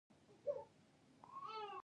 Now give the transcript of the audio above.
هغوی د ژور څپو لاندې د مینې ژورې خبرې وکړې.